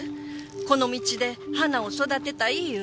この道で花を育てたい言うて。